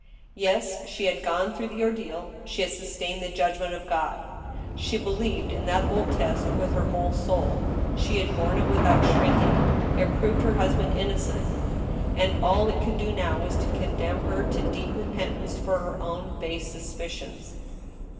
Yes, she had gone through the ordeal, she had sustained the judgment of God I She believed in that old test with her whole soul. She had borne it without shrinking. It proved her husband innocent ; and all it could do now was to condemn her to deep re pentance for her own base suspicions.